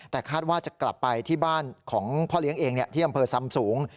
แต่คาดว่าจะกลับไปที่บ้านของพ่อเลี้ยงเองที่อำเภอซ้ำสูง